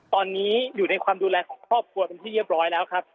ตอนนี้อยู่ในความดูแลของครอบครัวเป็นที่เรียบร้อยแล้วครับ